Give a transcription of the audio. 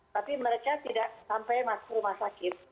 tapi mereka tidak sampai masuk rumah sakit